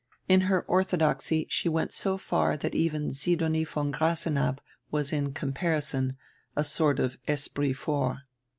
In her orthodoxy she went so far diat even Sidonie von Grasenabb was in comparison a sort of esprit fort.